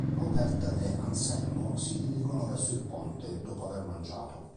Robert e Anselmo si dirigono verso il ponte dopo aver mangiato.